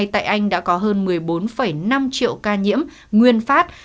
tại anh đã có hơn một mươi bốn năm triệu ca nhiễm nguyên phát